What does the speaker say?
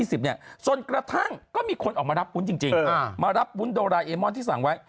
จนกระทั่งก็มีคนออกมารับวุ้นจริงมารับวุ้นโดราเอมอนที่สั่งไว้